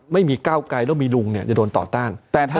ไม่มีก้าวไกลแล้วมีลุงเนี่ยจะโดนต่อต้าน